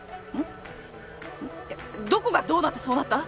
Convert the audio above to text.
いやどこがどうなってそうなった？